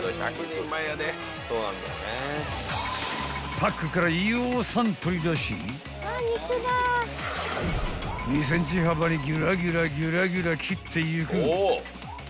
［パックからようさん取り出し２ｃｍ幅にギラギラギラギラ切っていく］